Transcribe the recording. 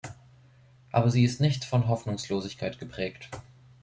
Aber sie ist nicht von Hoffnungslosigkeit geprägt.